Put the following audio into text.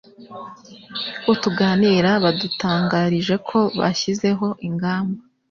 bo tuganira badutangarije ko bashyizeho ingamba